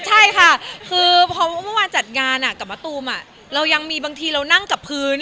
ใช่ค่ะคือพอเมื่อวานจัดงานกับมะตูมเรายังมีบางทีเรานั่งกับพื้น